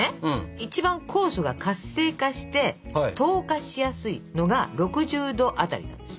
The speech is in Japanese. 一番酵素が活性化して糖化しやすいのが６０℃辺りなんですよ。